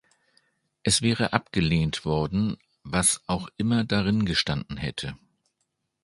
Es wäre abgelehnt worden, was auch immer darin gestanden hätte.